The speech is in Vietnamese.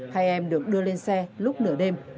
hai em được đưa lên xe lúc nửa đêm